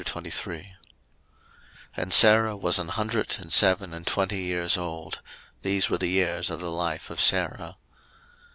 01:023:001 And Sarah was an hundred and seven and twenty years old: these were the years of the life of Sarah.